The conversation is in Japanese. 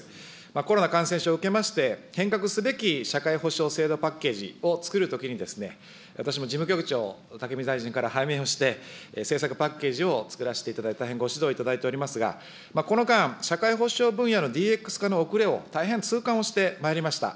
コロナ感染症を受けまして、変革すべき社会保障制度パッケージを作るときに、私も事務局長、武見大臣から拝命をして、政策パッケージを作らせていただいて、大変ご指導をいただいておりますが、この間、社会保障分野のＤＸ化の遅れを、大変痛感をしてまいりました。